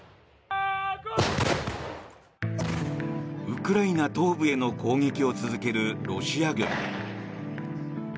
ウクライナ東部への攻撃を続けるロシア軍。